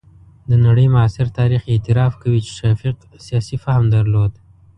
د نړۍ معاصر تاریخ اعتراف کوي چې شفیق سیاسي فهم درلود.